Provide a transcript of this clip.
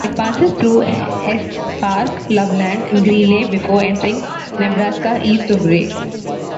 It passes through Estes Park, Loveland, and Greeley before entering Nebraska east of Wray.